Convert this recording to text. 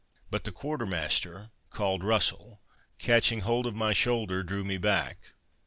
But the quarter master, called Russel, catching hold of my shoulder, drew me back.